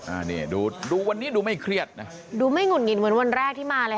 อ่านี่ดูดูวันนี้ดูไม่เครียดนะดูไม่หุ่นหิดเหมือนวันแรกที่มาเลยค่ะ